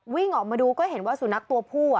วิ่งออกมาดูก็เห็นว่าสุนัขตัวผู้